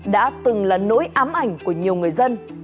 đã từng là nỗi ám ảnh của nhiều người dân